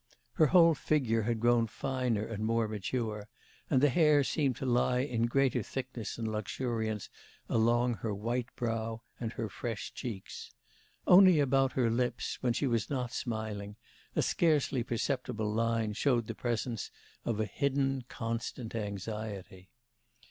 Her whole figure had grown finer and more mature, and the hair seemed to lie in greater thickness and luxuriance along her white brow and her fresh cheeks. Only about her lips, when she was not smiling, a scarcely perceptible line showed the presence of a hidden constant anxiety.